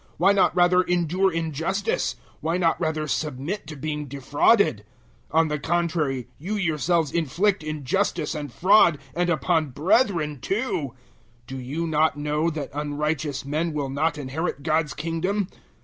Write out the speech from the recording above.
Why not rather endure injustice? Why not rather submit to being defrauded? 006:008 On the contrary you yourselves inflict injustice and fraud, and upon brethren too. 006:009 Do you not know that unrighteous men will not inherit God's Kingdom?